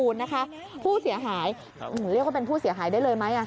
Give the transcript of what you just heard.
เรียกว่าเป็นผู้เสียหายได้เลยไหม